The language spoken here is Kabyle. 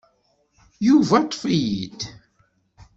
Yuba ṭṭef-iyi-d.